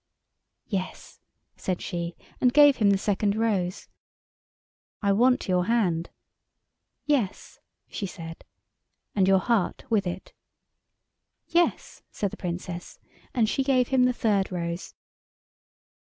"Yes," said she, and gave him the second rose. "I want your hand." "Yes," she said. "And your heart with it." "Yes," said the Princess, and she gave him the third rose.